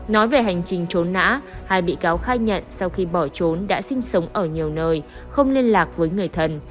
nói về hành trình trốn nã hai bị cáo khai nhận sau khi bỏ trốn đã sinh sống ở nhiều nơi không liên lạc với người thân